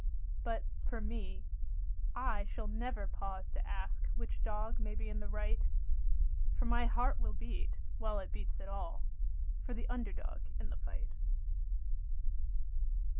But for me, I shall never pause to ask Which dog may be in the right, For my heart will beat, while it beats at all, For the under dog in the fight.